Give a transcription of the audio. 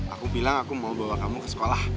aku bilang aku mau bawa kamu ke sekolah